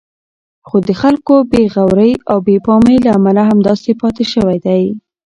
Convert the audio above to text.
خو د خلکو بې غورئ او بې پامۍ له امله همداسې پاتې شوی دی.